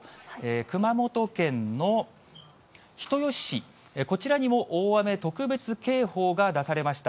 熊本県の人吉市、こちらにも大雨特別警報が出されました。